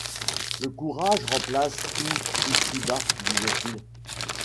« Le courage remplace tout ici-bas, » disait-il.